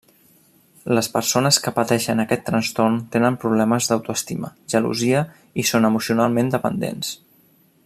Les persones que pateixen aquest trastorn tenen problemes d'autoestima, gelosia i són emocionalment dependents.